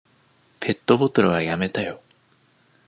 ペットボトルはやめたよ。